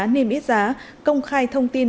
niêm ít giá công khai thông tin